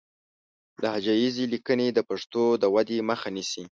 لهجه ييزې ليکنې د پښتو د ودې مخه نيسي